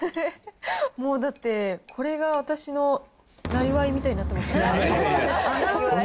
もうだって、これが私のなりわいみたいになってますから。